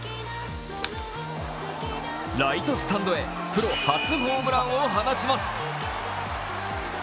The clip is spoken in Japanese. ライトスタンドへプロ初ホームランを放ちます。